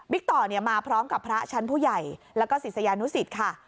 ต่อมาพร้อมกับพระชั้นผู้ใหญ่แล้วก็ศิษยานุสิตค่ะ